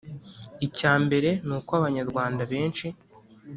icya mbere ni uko abanyarwanda benshi,